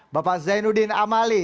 bapak zainuddin amali